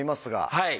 はい。